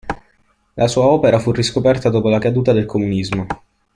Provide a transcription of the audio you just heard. La sua opera fu riscoperta dopo la caduta del comunismo.